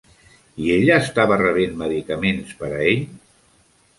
I ella estava rebent medicaments per a ell?